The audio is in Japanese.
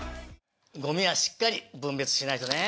ゴミはしっかり分別しないとね。